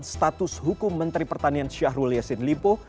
status hukum menteri pertanian syahrul yassin limpo